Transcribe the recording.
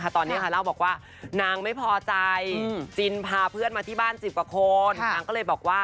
ตอนนี้เล่าบอกว่านางไม่พอใจจินพาเพื่อนมาที่บ้าน๑๐กว่าคนนางก็เลยบอกว่า